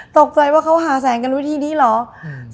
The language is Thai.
ตกใจว่าเขาหาแสงกันวิธีนี้เหรอ